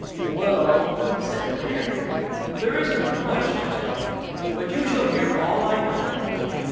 "Well," said the bear, "there isn't much to tell, but you shall hear all I know.